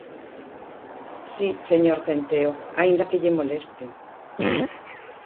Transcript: Si, señor Centeo, aínda que lle moleste.